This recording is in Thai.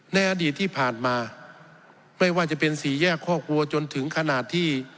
ในอดีตที่ผ่านมาไม่ว่าจะเป็นสี่แยกคอกวัวจนถึงขนาดที่